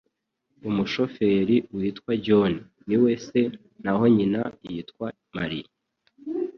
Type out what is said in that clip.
Umushoferi yitwa John - niwe se, naho nyina yitwa Marie.